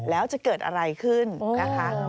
แล้วจะเกิดอะไรขึ้นนะคะ